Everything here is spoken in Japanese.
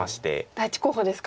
第１候補ですか。